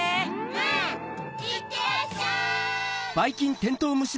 うんいってらっしゃい！